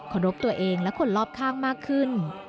รบตัวเองและคนรอบข้างมากขึ้น